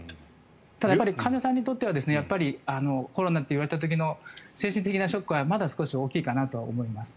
ただ、やっぱり患者さんにとってはコロナといわれた時の精神的なショックはまだ少し大きいかなとは思います。